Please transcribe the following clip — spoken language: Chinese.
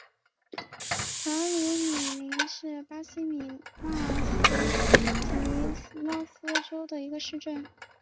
塔鲁米林是巴西米纳斯吉拉斯州的一个市镇。